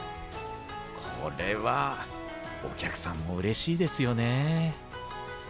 これはお客さんもうれしいですよね。